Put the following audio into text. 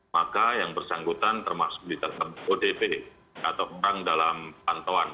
maka yang bersangkutan termasuk di dalam odp atau orang dalam pantauan